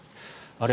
あれ？